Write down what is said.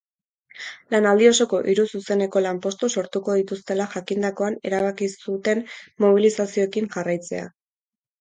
Lanaldi osoko hiru zuzeneko lanpostu sortuko dituztela jakindakoan erabaki zuten mobilizazioekin jarraitzea.